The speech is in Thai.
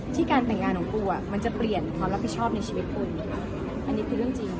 การแต่งงานของกูอ่ะมันจะเปลี่ยนความรับผิดชอบในชีวิตกูอันนี้คือเรื่องจริง